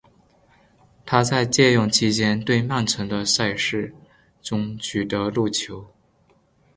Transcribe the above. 他在借用期间对曼城的赛事中取得入球。